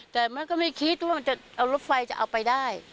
แต่มันก็ไม่คิดว่ามันจะเอารถไฟจะเอาไปได้